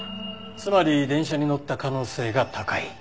つまり電車に乗った可能性が高い。